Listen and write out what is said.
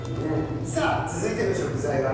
さあ続いての食材はこちら。